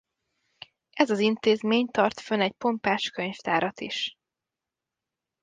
Ez az intézmény tart fönn egy pompás könyvtárat is.